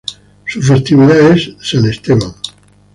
Su festividad es San Esteban.